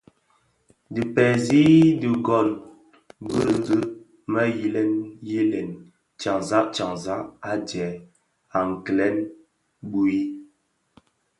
Dhi pezi dhigōn bi zi mě yilè yilen tyanzak tyañzak a djee a kilèn, bhui,